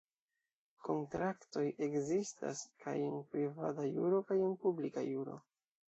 Kontraktoj ekzistas kaj en privata juro kaj en publika juro.